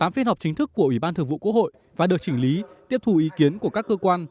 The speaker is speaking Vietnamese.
tám phiên họp chính thức của ủy ban thường vụ quốc hội và được chỉnh lý tiếp thù ý kiến của các cơ quan